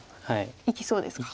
生きそうですか？